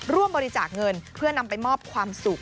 ร่วมบริจาคเงินเพื่อนำไปมอบความสุข